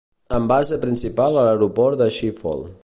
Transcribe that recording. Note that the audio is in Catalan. Amb base principal a l'aeroport de Schiphol.